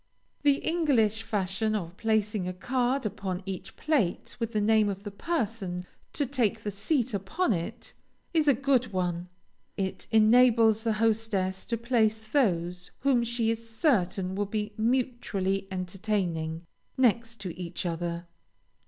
The English fashion of placing a card upon each plate with the name of the person to take that seat upon it, is a good one. It enables the hostess to place those whom she is certain will be mutually entertaining, next each other.